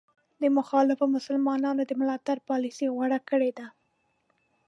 د مخالفو مسلمانانو د ملاتړ پالیسي غوره کړې ده.